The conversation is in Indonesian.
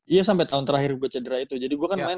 iya sampai tahun terakhir gue cedera itu jadi gue kan main